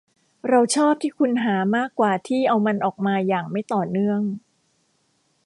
เราชอบที่คุณหามากกว่าที่เอามันออกมาอย่างไม่ต่อเนื่อง